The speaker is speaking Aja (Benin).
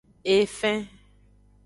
Efen.